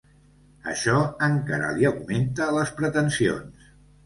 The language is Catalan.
Això encara li augmenta les pretensions.